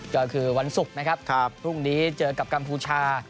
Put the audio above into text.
ก็คือวันศุกร์นะครับพรุ่งนี้เจอกับกัมพูชา